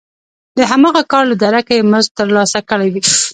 د هماغه کار له درکه یې مزد ترلاسه کړی وي